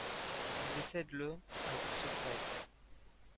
Il décède le à Vic-sur-Seille.